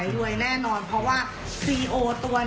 มีความรู้สึกว่ามีความรู้สึกว่า